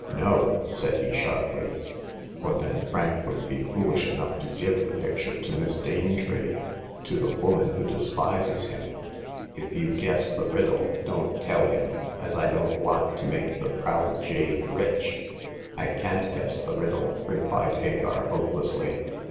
" No !" said he, sharply —'* for then Frank would be foolish enough to give the picture to Miss Danetree — ^to the woman who despises him. If you guess the riddle, don't tell him, as I don't want to make the proud jade rich." I can't guess the riddle," replied Hagar, hopelessly.